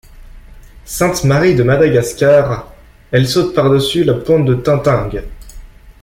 Sainte-Marie de Madagascar, elle saute par-dessus la pointe de Tintingue.